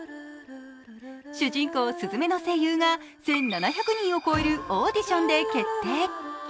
主人公・すずめの声優が１７００人を超えるオーディションで決定。